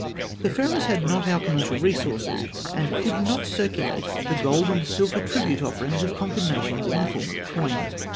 ] The Pharaohs had not our commercial resources, and could not circulate the gold and silver tribute offerings of conquered nations in the form of coin.